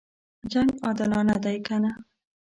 جنګ عادلانه دی کنه.